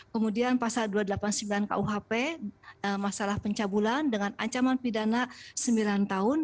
kemudian pasal dua ratus delapan puluh sembilan kuhp masalah pencabulan dengan ancaman pidana sembilan tahun